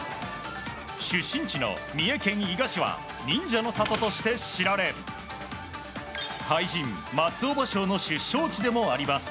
出身地の三重県伊賀市は忍者の里として知られ俳人・松尾芭蕉の出生地でもあります。